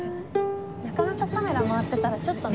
なかなかカメラ回ってたらちょっとね。